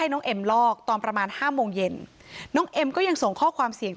แต่ก็เหมือนกับว่าจะไปดูของเพื่อนแล้วก็ค่อยทำส่งครูลักษณะประมาณนี้นะคะ